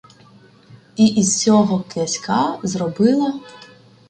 І із сього князька зробила